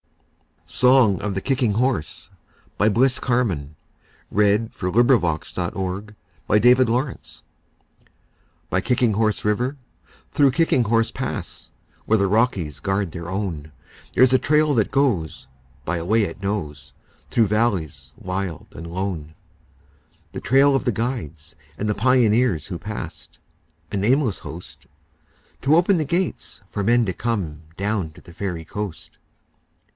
l puts forth, To keep unsoiled forever The honor of the North. SONG OF THE KICKING HORSE By Kicking Horse River, through Kicking Horse Pass, Where the Rockies guard their own, There's a trail that goes by a way it knows Through valleys wild and lone,— The trail of the guides and the pioneers Who passed—a nameless host— To open the gates for men to come Down to the Fairy Coast.